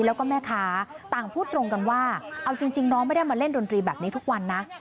แล้วก็แม่ค้าต่างพูดตรงกันว่าเอาจริงน้องไม่ได้มาเล่นดนตรีแบบนี้ทุกวันนะ